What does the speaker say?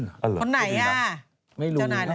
คนไหนอะ